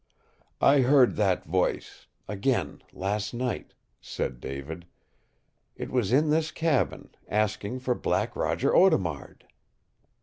"I heard that voice again last night," said David. "It was in this cabin, asking for Black Roger Audemard."